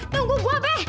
tunggu gua be